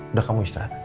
udah kamu istirahat aja